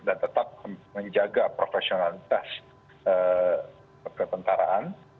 dan tetap menjaga profesionalitas kepentaraan